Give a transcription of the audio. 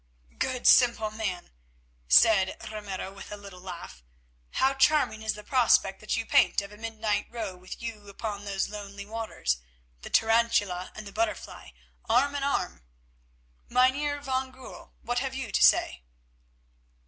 "Good, simple man," said Ramiro with a little laugh, "how charming is the prospect that you paint of a midnight row with you upon those lonely waters; the tarantula and the butterfly arm in arm! Mynheer van Goorl, what have you to say?"